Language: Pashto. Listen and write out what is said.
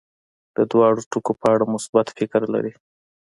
د دواړو ټکو په اړه مثبت فکر لري.